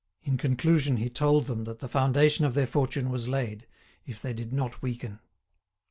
In conclusion he told them that the foundation of their fortune was laid, if they did not weaken.